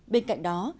bên cạnh đó